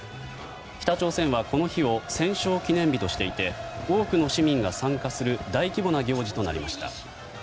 北朝鮮はこの日を戦勝記念日としていて多くの市民が参加する大規模な行事となりました。